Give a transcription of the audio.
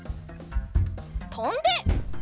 とんで。